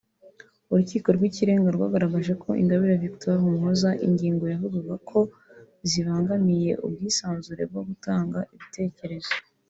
Urukiko rw’Ikirenga rwagagaje ko Ingabire Victoire Umuhoza ingingo yavugaga ko zibangamiye ubwisanzure bwo gutanga ibitekerezo